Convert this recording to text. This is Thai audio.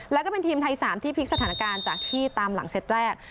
แล้วก็เป็นทีมไทย๓ที่พลิกสถานการณ์จากที่ตามหลังเซตแรก